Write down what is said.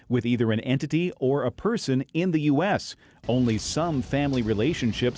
bukan termasuk orang tua anak anak anak anak anak anak anak anak